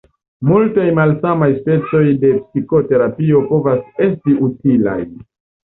Multaj malsamaj specoj de psikoterapio povas esti utilaj.